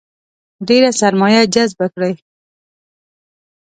ډېره سرمایه جذبه کړي.